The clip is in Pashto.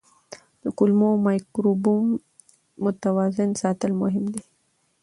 د کولمو مایکروبیوم متوازن ساتل مهم دي.